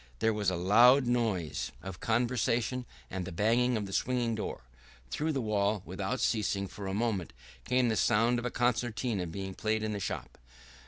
There was a loud noise of conversation and the banging of the swing door. Through the wall, without ceasing for a moment, came the sound of a concertina being played in the shop.